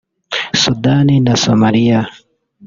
Sudani na Somalia